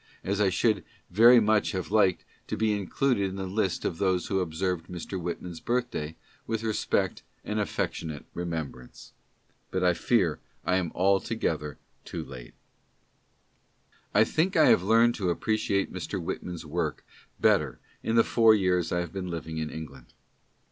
as I should very much have liked to be included in the list of those who observed Mr. Whitman's birthday with respect and affectionate remembrance. But I fear I am altogether too late I think I have learned to appreciate Mr. Whitman's work bet ter in the four years I have been living in England.